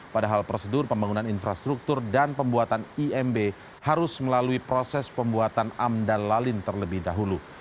padahal prosedur pembangunan infrastruktur dan pembuatan imb harus melalui proses pembuatan amdal lalin terlebih dahulu